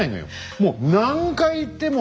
もう何回言っても。